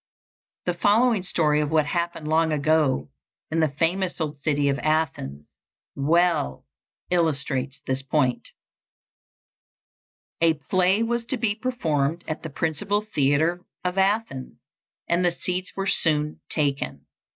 The following story of what happened long ago in the famous old city of Athens well illustrates this point: A play was to be performed at the principal theatre of Athens, and the seats were soon taken.